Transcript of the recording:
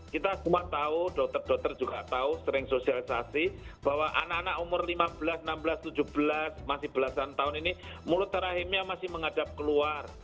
kita semua tahu dokter dokter juga tahu sering sosialisasi bahwa anak anak umur lima belas enam belas tujuh belas masih belasan tahun ini mulut rahimnya masih menghadap keluar